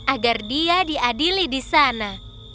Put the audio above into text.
agar dia diadili di sana